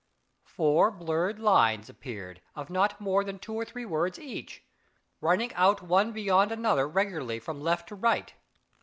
Four blurred lines appeared of not more than two or three words each, running out one beyond another regularly from left to right.